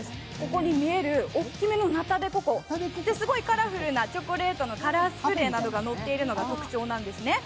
ここに見える大きめのナタデココすごいカラフルなチョコレートのカラースプレーなどがのっているのが特徴なんですね。